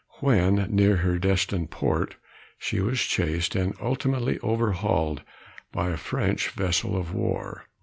When near her destined port, she was chased, and ultimately overhauled, by a French vessel of war.